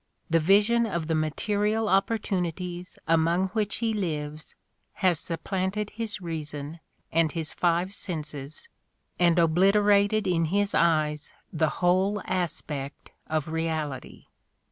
The vision of the material opportunities among which he lives has supplanted his reason and his five senses and obliterated in his eyes the whole aspect of reality.